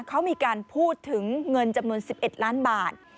เขามีการพูดถึงเงินจำนวน๑๑ล้านบาท